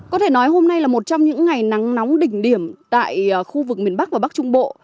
có thể nói hôm nay là một trong những ngày nắng nóng đỉnh điểm tại khu vực miền bắc và bắc trung bộ